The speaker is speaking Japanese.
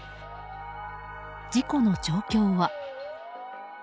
事故の状況は。